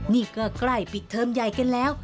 นี่ก็ใกล้ปิดเทอมใหญ่กันแล้ว